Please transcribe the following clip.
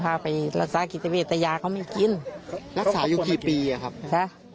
พาไปรักษากิจเวทยาเขาไม่กินรักษาอยู่กี่ปีอะครับนะ